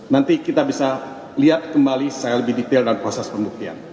nanti kita bisa lihat kembali secara lebih detail dalam proses pembuktian